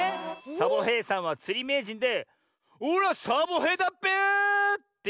サボへいさんはつりめいじんで「おらサボへいだっぺ」っていうひとでしょ。